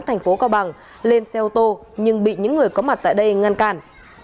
thành phố cao bằng lên xe ô tô nhưng bị những người có mặt tại đây ngăn cản